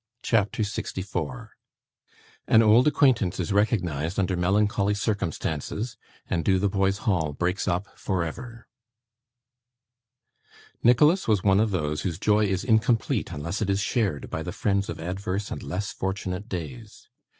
CHAPTER 64 An old Acquaintance is recognised under melancholy Circumstances, and Dotheboys Hall breaks up for ever Nicholas was one of those whose joy is incomplete unless it is shared by the friends of adverse and less fortunate days.